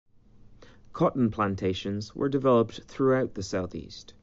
Cotton plantations were developed throughout the Southeast.